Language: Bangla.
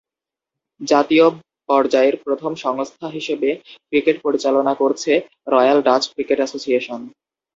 জাতীয় পর্যায়ের প্রথম সংস্থা হিসেবে ক্রিকেট পরিচালনা করছে রয়্যাল ডাচ ক্রিকেট অ্যাসোসিয়েশন।